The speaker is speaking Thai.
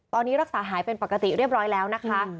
ตอนนี้รักษาหายเป็นปกติเรียบร้อยแล้วนะคะ